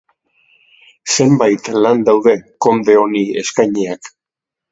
Zenbait lan daude konde honi eskainiak.